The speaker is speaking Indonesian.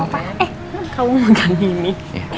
eh kamu makan gini